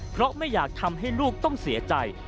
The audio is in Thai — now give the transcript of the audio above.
เพราะไม่อยากทำให้ลูกต้องเสียใจ